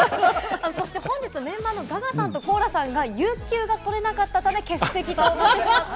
本日メンバーのＧＡＧＡさんとコーラさんが有給が取れなかったため、欠席となりました。